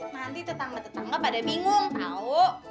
nanti tetangga tetangga pada bingung tahu